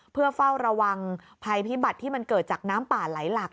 เพื่อเฝ้าระวังภัยพิบัติที่มันเกิดจากน้ำป่าไหลหลัก